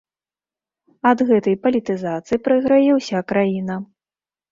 Ад гэтай палітызацыі прайграе ўся краіна.